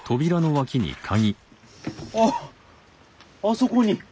あっあそこに。